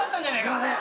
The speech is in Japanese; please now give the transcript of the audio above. すいません。